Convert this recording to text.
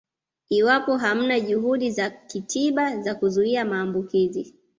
Iwapo hamna juhudi za kitiba za kuzuia maambukizi